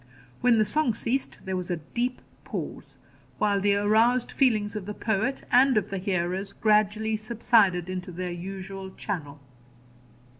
When the song ceased, there was a deep pause, while the aroused feelings of the poet and of the hearers gradually subsided into their usual channel.